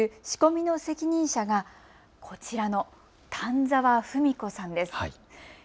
仕込みの責任者がこちらの丹澤史子さんです。